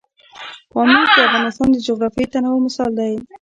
پامیر د افغانستان د جغرافیوي تنوع مثال دی.